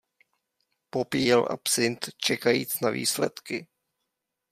Popíjel absint, čekajíc na výsledky.